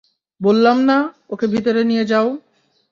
বললাম না, ওকে ভিতরে নিয়ে যাও।